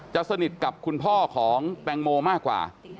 สนิทกับคุณพ่อของแตงโมมากกว่า